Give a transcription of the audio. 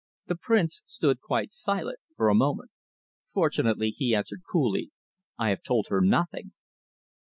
The Prince stood quite silent for a moment. "Fortunately," he answered coolly, "I have told her nothing."